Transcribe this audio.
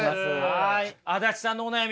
足立さんのお悩み